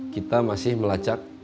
kita masih melacak